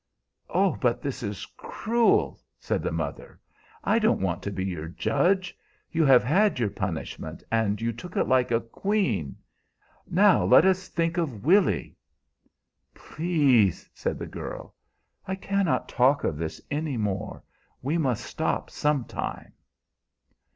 "Oh, but this is cruel!" said the mother. "I don't want to be your judge. You have had your punishment, and you took it like a queen. Now let us think of Willy!" "Please!" said the girl. "I cannot talk of this any more. We must stop sometime."